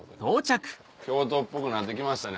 京都っぽくなってきましたね